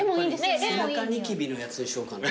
背中ニキビのやつにしようかな。